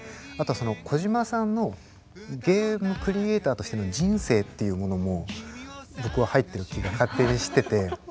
あとはその小島さんのゲームクリエーターとしての人生っていうものも僕は入ってる気が勝手にしてて。